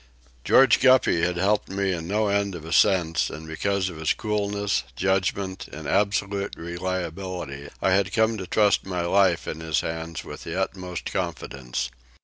George Guppy had helped me in no end of ascents, and because of his coolness, judgment and absolute reliability I had come to trust my life in his hands with the utmost confidence.